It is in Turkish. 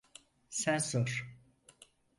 Sen sor.